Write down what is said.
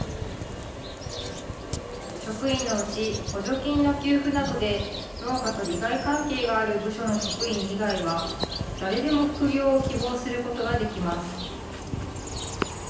職員のうち、補助金の給付などで農家と利害関係がある部署の職員以外は、誰でも副業を希望することができます。